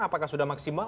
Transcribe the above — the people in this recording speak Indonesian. apakah sudah maksimal